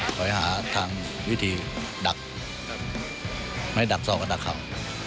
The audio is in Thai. คอยหาทางวิธีดักไม่ดักศอกแต่ดักเขา